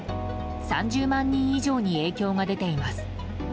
３０万人以上に影響が出ています。